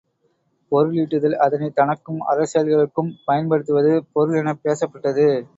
பொருள் ஈட்டுதல் அதனைத் தனக்கும் அறச் செயல்களுக்கும் பயன் படுத்துவது பொருள் எனப் பேசப்பட்டது.